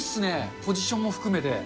ポジションも含めて。